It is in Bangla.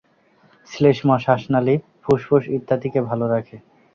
শ্লেষ্মা শ্বাসনালি, ফুসফুস ইত্যাদিকে ভাল রাখে।